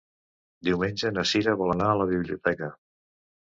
Diumenge na Cira vol anar a la biblioteca.